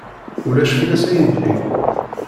Ulac fell-as a yelli.